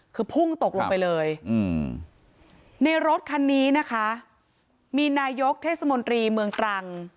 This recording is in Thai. คือพุ่งตกลงไปเลยในรถคันนี้นะคะมีนายกเทศมนตรีเมืองตรัง